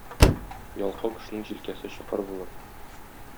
Ялкау кешенең җилкәсе чокыр булыр.